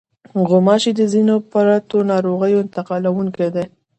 غوماشې د ځینو پرتو ناروغیو انتقالوونکې دي.